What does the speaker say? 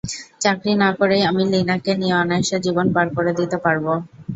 চাকরি না করেই আমি লীনাকে নিয়ে অনায়াসে জীবন পার করে দিতে পারব।